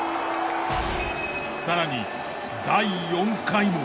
さらに第４回も。